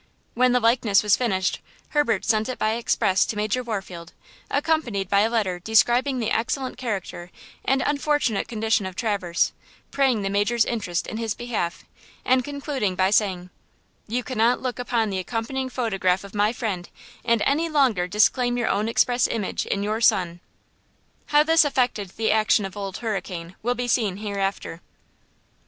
When the likeness was finished Herbert sent it by express to Major Warfield, accompanied by a letter describing the excellent character and unfortunate condition of Traverse, praying the major's interest in his behalf and concluding by saying: "You cannot look upon the accompanying photograph of my friend and any longer disclaim your own express image in your son." How this affected the action of Old Hurricane will be seen hereafter.